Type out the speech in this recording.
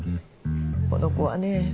この子はね